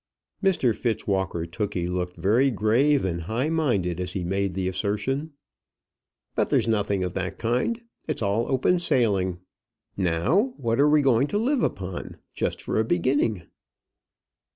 Mr Fitzwalker Tookey looked very grave and high minded as he made the assertion. "But there's nothing of that kind. It's all open sailing. Now, what are we to live upon, just for a beginning?"